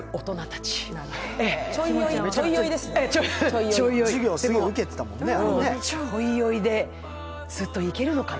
ちょい酔いでずっといけるのかな？